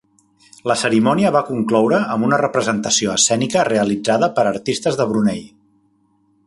La cerimònia va concloure amb una representació escènica realitzada per artistes de Brunei.